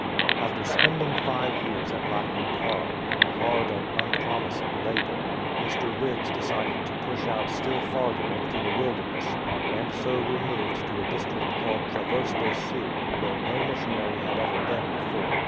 After spending five years at Lac qui parle in hard and 217 A SAD EXPERIENCE unpromising labour, Mr. Riggs decided to push out still farther into the wilderness, and so removed to a district called Traverse des Sioux, where no missionary had ever been before.